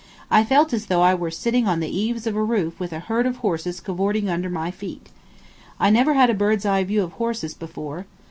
I felt as though I was sitting on the eaves of a roof with a herd of horses cavoorting under my feet. I never had a bird's eye view of horses before.